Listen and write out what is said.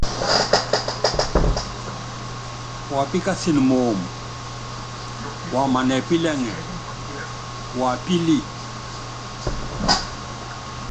Wapíkasɛn moomb waman ɛpílɛŋɛ wapíli.